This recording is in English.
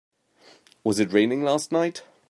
Was it raining last night?